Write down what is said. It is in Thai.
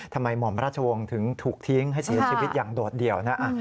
หม่อมราชวงศ์ถึงถูกทิ้งให้เสียชีวิตอย่างโดดเดี่ยวนะ